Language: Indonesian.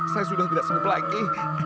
saya sudah tidak semup lagi